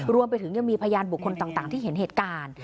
รวมไปถึงยังมีพยานบุคคลต่างที่เห็นเหตุการณ์